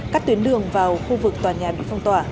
các tuyến đường vào khu vực tòa nhà bị phong tỏa